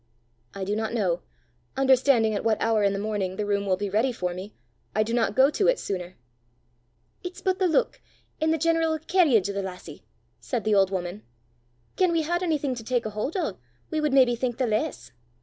"I do not know. Understanding at what hour in the morning the room will be ready for me, I do not go to it sooner." "It's but the luik, an' the general cairriage o' the lassie!" said the old woman. "Gien we had onything to tak a haud o', we wad maybe think the less.